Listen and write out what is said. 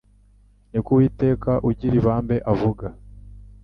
niko Uwiteka ugira ibambe avuga.'°»